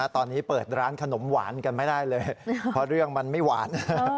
ตอนนี้เปิดร้านขนมหวานกันไม่ได้เลยเพราะเรื่องมันไม่หวาน